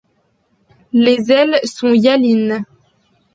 Les ailes sont hyalines.